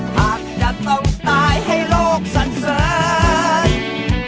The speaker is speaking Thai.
หากจะต้องตายให้โลกสันเสริญ